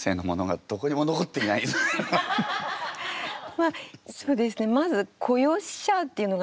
まあそうですね。